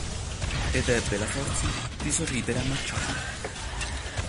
Ed ebbe la forza di sorridere a Marcella.